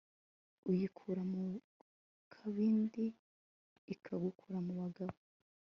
uyikura mu kabindi ikagukura mu bagabo